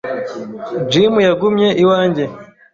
Jim yagumye iwanjye.